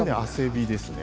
木ですね。